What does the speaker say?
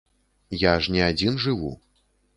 Я ж не адзін жыву.